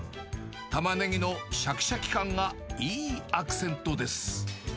タマネギのしゃきしゃき感がいいアクセントです。